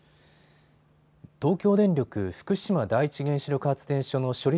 東京電力福島第一原子力発電所の処理